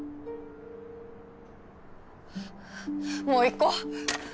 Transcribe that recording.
もう行こう。